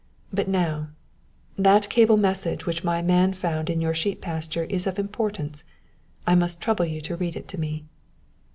But now that cable message which my man found in your sheep pasture is of importance. I must trouble you to read it to me."